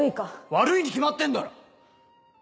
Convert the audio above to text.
悪いに決まってんだろ！